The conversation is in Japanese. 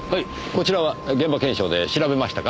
こちらは現場検証で調べましたか？